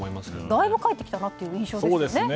だいぶ返ってきたなという印象ですよね。